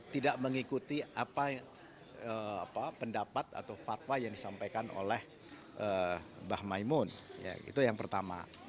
tidak mengikuti apa pendapat atau fatwa yang disampaikan oleh mbah maimun itu yang pertama